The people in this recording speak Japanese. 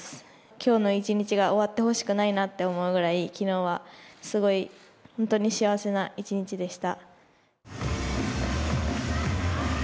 きょうの一日が終わってほしくないなって思うぐらい、きのうはすごい、本当に幸せな一日でした。